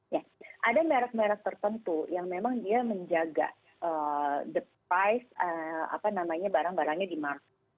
ya ada merek merek tertentu yang memang dia menjaga the price barang barangnya di market